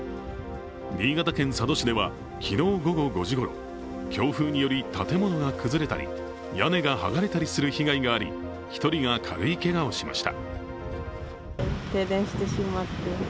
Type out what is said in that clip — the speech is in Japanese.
新潟県佐渡市では昨日午後５時ごろ強風により建物が崩れたり屋根がはがれたりする被害があり一人が軽いけがをしました。